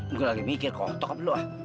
gue lagi mikir kotok apa lu ah